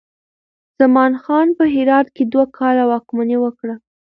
زمان خان په هرات کې دوه کاله واکمني وکړه.